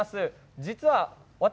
実は私。